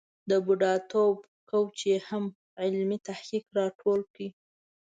د بوډاتوب کوچ یې هم علمي تحقیق را ټول کړی.